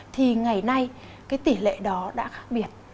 thì ngày nay cái tỷ lệ đó đã khác biệt